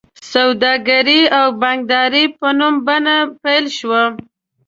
سوداګري او بانکداري په نوې بڼه پیل شوه.